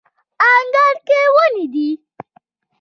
انګړ کې ونې دي